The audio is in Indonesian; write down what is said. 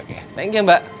oke thank you mbak